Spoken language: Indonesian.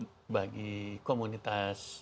jadi bagi komunitas indonesia